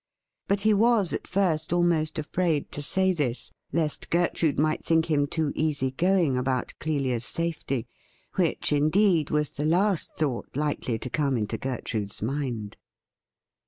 But he w£is at first almost afraid to say this, lest Gertrude might think him too easy going about Clelia's safety — which, indeed, was the last thought likely to come into Gertrude's mind.